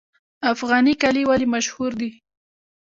افغاني کالي ولې مشهور دي؟